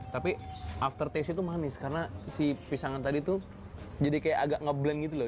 tapi after taste itu manis karena si pisangan tadi tuh jadi kayak agak ngebleng gitu loh